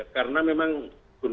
karena memang gunung